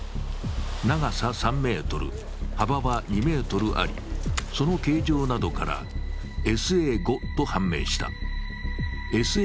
長さ３ｍ、幅は２ｍあり、その形状などからＳＡ５と判明した。